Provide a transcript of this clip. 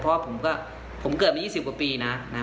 เพราะว่าผมเกิดไป๒๐กว่าปีนะครับ